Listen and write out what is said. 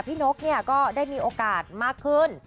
พี่นกเนี่ยก็ได้มีโอกาสมากขึ้น